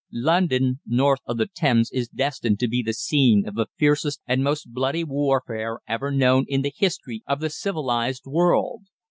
London north of the Thames is destined to be the scene of the fiercest and most bloody warfare ever known in the history of the civilised world.